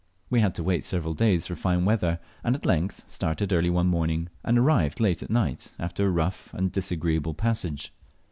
We had to wait several days for fine weather, and at length started early one morning, and arrived late at night, after a rough and disagreeable passage.